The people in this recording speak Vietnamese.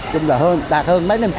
chúng là hơn đạt hơn mấy năm